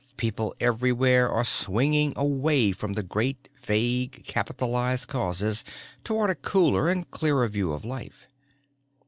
People everywhere are swinging away from great vague capitalized causes toward a cooler and clearer view of life.